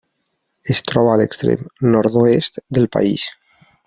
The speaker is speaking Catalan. Es troba a l'extrem nord-oest del país.